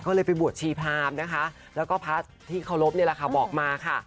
ก็เลยไปบวชชีพรามนะคะแล้วก็พระที่เคารพนี่แหละค่ะบอกมาค่ะ